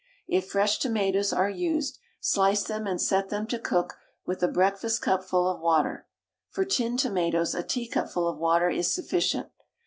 If fresh tomatoes are used, slice them and set them to cook with a breakfastcupful of water. For tinned tomatoes a teacupful of water is sufficient.